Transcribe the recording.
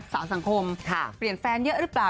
สังคมเปลี่ยนแฟนเยอะหรือเปล่า